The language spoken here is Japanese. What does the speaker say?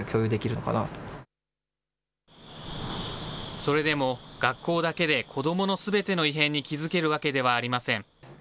それでも学校だけで、子どものすべての異変に気付けるわけではありません。